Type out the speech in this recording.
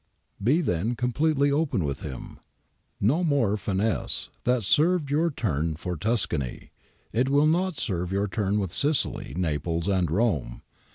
Be then completely open with him. No more finesse ; that served your turn for Tuscany ; it will not serve your turn with Sicily, Naples, and Rome.